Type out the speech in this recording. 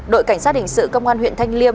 đội cảnh sát hình sự công an huyện thanh liêm